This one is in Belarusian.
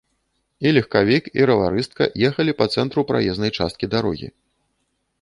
І легкавік, і раварыстка ехалі па цэнтру праезнай часткі дарогі.